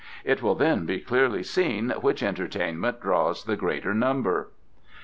It will then be clearly seen which entertainment draws the greater number."